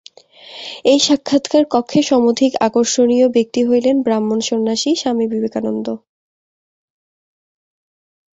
এই সাক্ষাৎকার-কক্ষে সমধিক আকর্ষণীয় ব্যক্তি হইলেন ব্রাহ্মণ সন্ন্যাসী স্বামী বিবেকানন্দ।